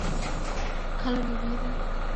আলো নিভিয়ে দে।